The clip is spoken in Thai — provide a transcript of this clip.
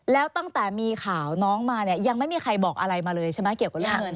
แล้วตั้งแต่มีข่าวน้องมาเนี่ยยังไม่มีใครบอกอะไรมาเลยใช่ไหมเกี่ยวกับเรื่องเงิน